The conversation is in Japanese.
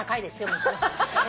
もちろん。